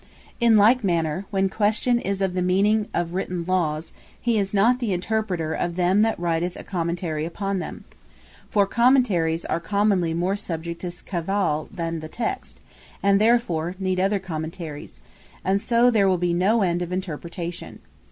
In like manner, when question is of the Meaning of written Lawes, he is not the Interpreter of them, that writeth a Commentary upon them. For Commentaries are commonly more subject to cavill, than the Text; and therefore need other Commentaries; and so there will be no end of such Interpretation.